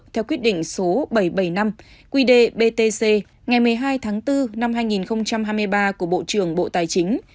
theo quyết định số bảy trăm bảy mươi năm qd btc ngày một mươi hai tháng bốn năm hai nghìn hai mươi ba của bộ trưởng bộ tài chính